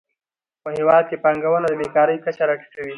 په هیواد کې پانګونه د بېکارۍ کچه راټیټوي.